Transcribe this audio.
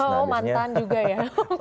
oh mantan juga ya